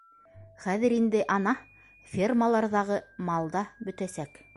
Хәҙер инде, ана, фермаларҙағы мал да бөтәсәк...